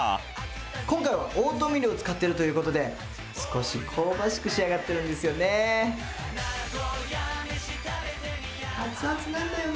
今回はオートミールを使っているということで、少し香ばしく仕上がってるんですよね。